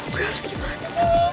gak harus gimana